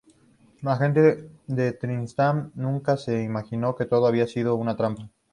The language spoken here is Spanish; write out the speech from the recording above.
La gente de Tristram nunca se imaginó que todo había sido una trampa.